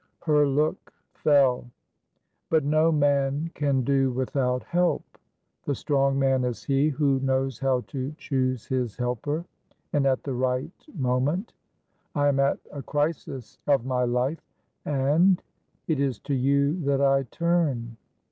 Her look fell. "But no man can do without help. The strong man is he who knows how to choose his helper, and at the right moment. I am at a crisis of my life, andit is to you that I turn."